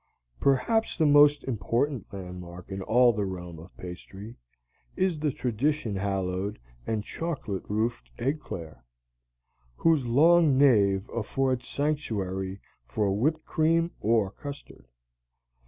Perhaps the most important landmark in all the realm of pastry is the tradition hallowed and chocolate roofed éclair, whose long nave affords sanctuary for whipped cream or custard.